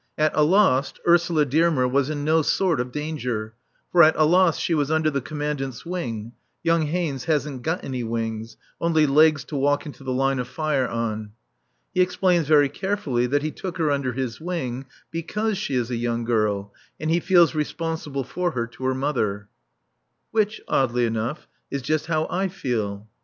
At Alost Ursula Dearmer was in no sort of danger. For at Alost she was under the Commandant's wing (young Haynes hasn't got any wings, only legs to walk into the line of fire on). He explains very carefully that he took her under his wing because she is a young girl and he feels responsible for her to her mother. (Which, oddly enough, is just how I feel!)